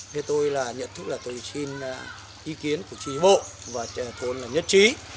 thế tôi là nhận thức là tôi xin ý kiến của trí bộ và trẻ thôn là nhất trí